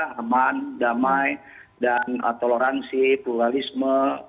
aman damai dan toleransi pluralisme